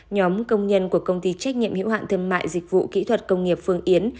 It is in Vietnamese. nhóm công nhân của công ty trách nhiệm hiệu hạn thương mại dịch vụ kỹ thuật công nghiệp phương yến